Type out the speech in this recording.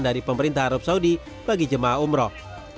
dari pemerintah arab saudi bagi jemaah umroh